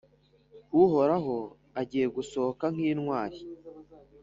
Uhoraho agiye gusohoka nk’intwari,